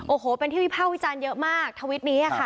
โอ้โหเป็นที่วิภาควิจารณ์เยอะมากทวิตนี้ค่ะ